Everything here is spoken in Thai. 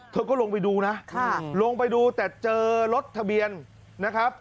เธอก็ลงไปดูนะลงไปดูแต่เจอรถทะเบียนนะครับ